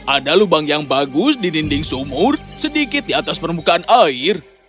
ada lubang yang bagus di dinding sumur sedikit di atas permukaan air